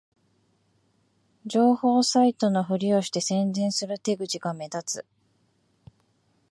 情報サイトのふりをして宣伝する手口が目立つ